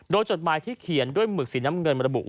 โดยจดหมายที่เขียนด้วยหมึกสีน้ำเงินระบุ